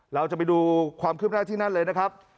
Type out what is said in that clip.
เราจะไปดูความคืบหน้าที่นั่นเลยนะครับ